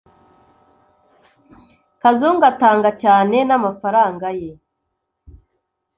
Kazungu atanga cyane namafaranga ye.